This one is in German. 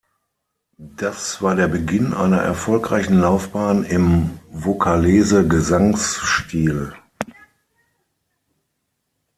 Das war der Beginn einer erfolgreichen Laufbahn im Vocalese-Gesangsstil.